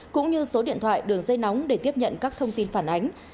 cũng như số điện thoại đường dây nóng để tiếp nhận các thông tin phản ánh